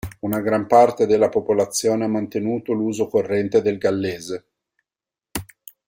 Una gran parte della popolazione ha mantenuto l'uso corrente del gallese.